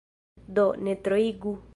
Do, ne troigu.